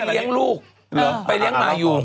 เลี้ยงลูกไปเลี้ยงหมาอยู่